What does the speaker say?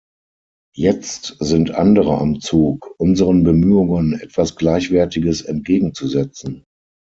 Jetzt sind andere am Zug, unseren Bemühungen etwas Gleichwertiges entgegenzusetzen.